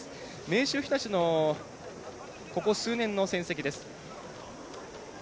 明秀日立のここ数年の成績です。